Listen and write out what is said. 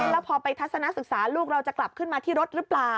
แล้วพอไปทัศนศึกษาลูกเราจะกลับขึ้นมาที่รถหรือเปล่า